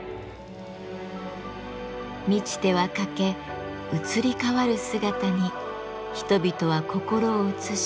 満ちては欠け移り変わる姿に人々は心を映し